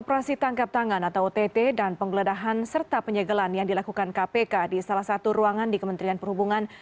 operasi tangkap tangan atau ott dan penggeledahan serta penyegelan yang dilakukan kpk di salah satu ruangan di kementerian perhubungan